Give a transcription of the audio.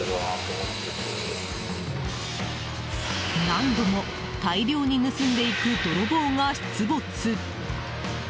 何度も大量に盗んでいく泥棒が出没。